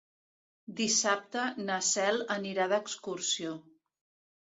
Dissabte na Cel anirà d'excursió.